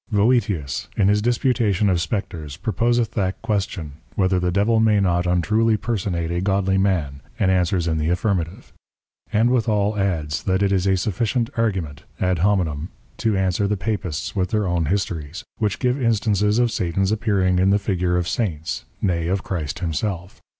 Voetius in his Disputation of Spectres proposeth that Question, whether the Devil may not untruly personate a Godly Man, and answers in the Affirmative: And withal adds, that it is a sufficient Argument (ad hominem) to answer the Papists with their own Histories, which give Instances of Satan's appearing in the Figure of Saints, nay of Christ himself.